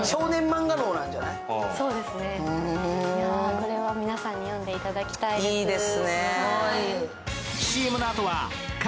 これは皆さんに読んでいただきたいです。